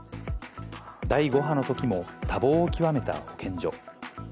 第５波のときも多忙を極めた保健所。